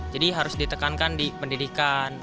jadi harus ditekankan di pendidikan